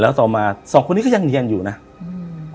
แล้วต่อมาสองคนนี้ก็ยังเรียนอยู่น่ะอืม